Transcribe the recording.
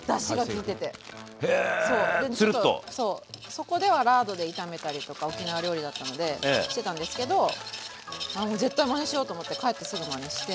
そこではラードで炒めたりとか沖縄料理だったのでしてたんですけどあもう絶対マネしようと思って帰ってすぐマネして。